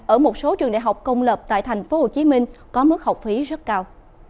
ở một số trường đại học công lập tại tp hcm có mức học phí rất cao